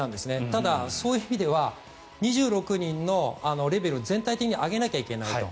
ただ、そういう意味では２６人のレベルを全体的に上げなきゃいけないと。